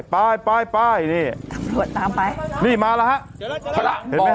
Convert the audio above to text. ไปไปไปนี่ตำรวจตามไปนี่มาแล้วฮะเจอแล้วเจอแล้ว